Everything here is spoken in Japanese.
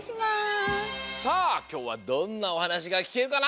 さあきょうはどんなおはなしがきけるかな？